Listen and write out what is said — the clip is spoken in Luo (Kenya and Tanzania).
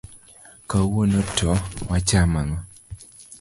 Kawuono to wachamo ng'o.